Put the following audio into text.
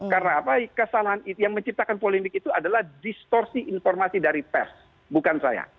karena apa kesalahan yang menciptakan polemik itu adalah distorsi informasi dari pers bukan saya